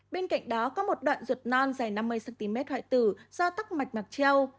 bên cạnh đó có một đoạn ruột non dài năm mươi cm hoại tử do tắc mạch mạc treo